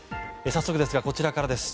早速ですがこちらからです。